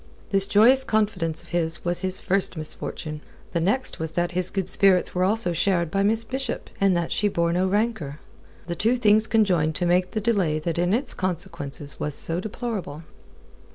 This joyous confidence of his was his first misfortune. The next was that his good spirits were also shared by Miss Bishop, and that she bore no rancour. The two things conjoined to make the delay that in its consequences was so deplorable.